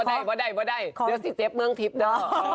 ไม่ได้เดี๋ยวสิเจ๊บเมืองทิพย์นะ